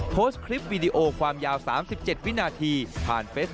โปรดติดตามตอนต่อไป